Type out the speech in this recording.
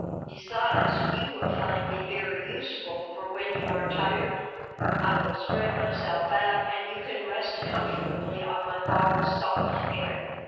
Besides, you will find me very useful, for when you are tired, I will spread myself out and you can rest comfortably on my long, soft hair."